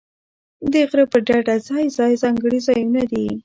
د غره پر ډډه ځای ځای ځانګړي ځایونه دي.